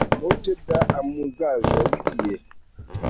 Multe da amuzaĵoj tie